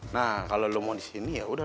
nah kalau lo mau di sini ya udah